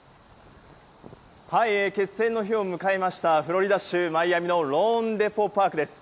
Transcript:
決戦の日を迎えましたフロリダ州マイアミのローンデポ・パークです。